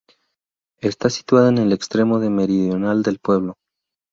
Está situada en el extremo de meridional del pueblo.